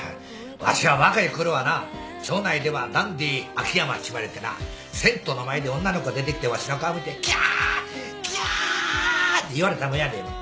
わしは若いころはな町内ではダンディー秋山っちゅう言われてな銭湯の前で女の子が出てきてわしの顔見て「キャーキャー」って言われたもんやで。